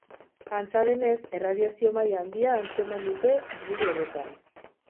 Antza denez, erradiazio maila handia atzeman dute inguru horretan.